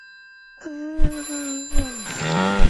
The city has a significant Kurdish population.